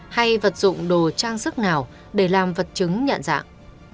hay vật dụng đồ trang sức nào để làm vật chứng nhận dạng